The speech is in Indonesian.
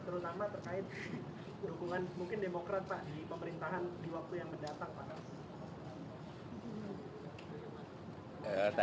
terutama terkait hubungan mungkin demokrat pak di pemerintahan di waktu yang mendatang pak